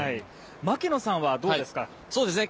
槙野さんはどうですか。